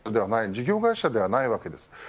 事業会社ではないわけです。